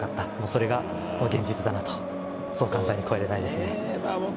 それが現実だなと、そう簡単に超えられないですね。